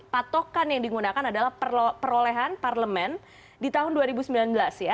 patokan yang digunakan adalah perolehan parlemen di tahun dua ribu sembilan belas ya